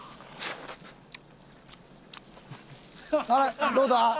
あらどうだ？